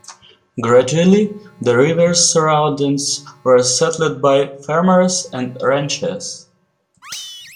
Gradually, the river's surroundings were settled by farmers and ranchers.